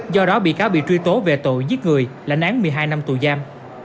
do đó bị cáo bị truy tố về tội giết người lãnh án một mươi hai năm tù giam